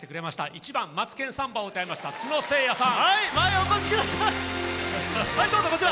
１番「マツケンサンバ」を歌いましたつのさん。